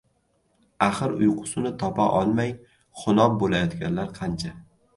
Axir uyqusini topa olmay xunob boʻlayotganlar qancha!